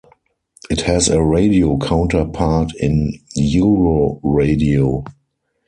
It has a radio counterpart in Euroradio.